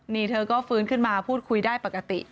นี่เธอก็ฟื้นขึ้นมาพูดคุยได้ปกติ